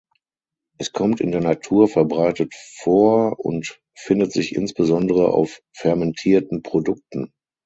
Es kommt in der Natur verbreitet vor und findet sich insbesondere auf fermentierten Produkten.